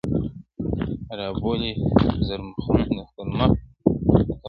رابولې زر مخونه د خپل مخ و تماشې ته,